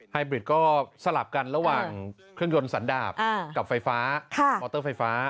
บริดก็สลับกันระหว่างเครื่องยนต์สันดาบกับไฟฟ้ามอเตอร์ไฟฟ้า